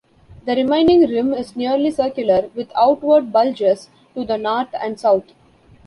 The remaining rim is nearly circular, with outward bulges to the north and south.